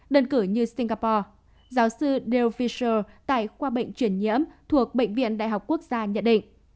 đơn cử như singapore giáo sư dale fisher tại khoa bệnh truyền nhiễm thuộc bệnh viện đại học quốc gia nhận định